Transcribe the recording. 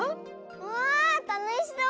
わあたのしそう！